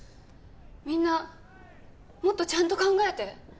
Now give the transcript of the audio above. みんなもっとちゃんと考えて。